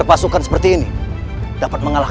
aku akan mengubatimu